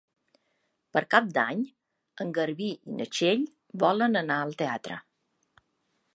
Per Cap d'Any en Garbí i na Txell volen anar al teatre.